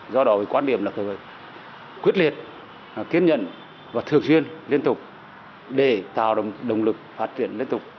do đổi quan điểm là quyết liệt kiên nhận và thường duyên liên tục để tạo động lực phát triển liên tục